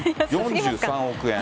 ４３億円。